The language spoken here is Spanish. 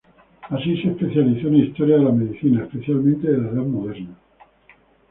Así, se especializó en Historia de la Medicina, especialmente de la Edad Moderna.